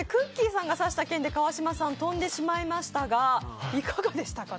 さんが刺した剣で川島さん飛んでしまいましたがいかがでしたか？